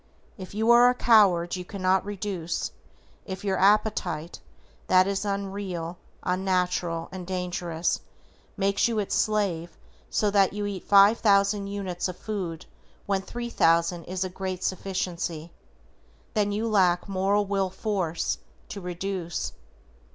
If you are a coward you cannot reduce, if your appetite, that is unreal, unnatural and dangerous, makes you its slave so that you eat 5,000 units of food when 3,000 is a great sufficiency, then you lack MORAL WILL FORCE TO REDUCE.